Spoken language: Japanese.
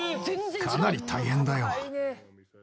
かなり大変だよ。